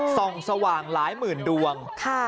ส่องสว่างหลายหมื่นดวง